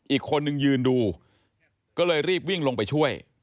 อีกคนนึงยืนดูก็เลยรีบวิ่งลงไปช่วย